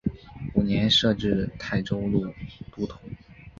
五年设置泰州路都统。